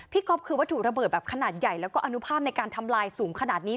ก๊อฟคือวัตถุระเบิดแบบขนาดใหญ่แล้วก็อนุภาพในการทำลายสูงขนาดนี้